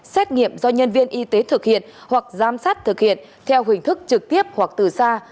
xét nghiệm do nhân viên y tế thực hiện hoặc giám sát thực hiện theo hình thức trực tiếp hoặc từ xa